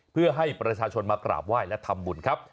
เพื่อให้ประชาชนมากราบไหว้และทำบุญครับ